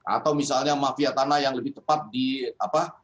atau misalnya mafia tanah yang lebih tepat di apa